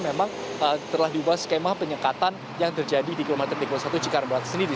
memang telah diubah skema penyekatan yang terjadi di kilometer tiga puluh satu cikarang barat sendiri